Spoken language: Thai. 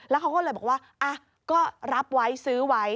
แล้วเขาก็เลยบอกว่าก็รับไว้ซื้อไว้